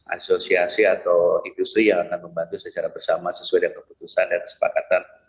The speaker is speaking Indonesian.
asosiasi atau industri yang akan membantu secara bersama sesuai dengan keputusan dan kesepakatan